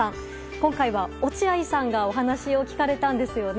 今回は落合さんがお話を聞かれたんですよね。